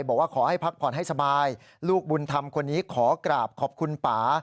บอกว่าขอให้พักผ่อนให้สบายลูกบุญธรรมคนนี้ขอกราบขอบคุณป่า